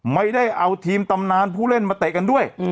ไม่ได้เอาทีมตำนานผู้เล่นมาเตะกันด้วย